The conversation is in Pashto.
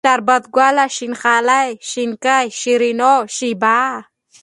شربت گله ، شين خالۍ ، شينکۍ ، شيرينو ، شېبه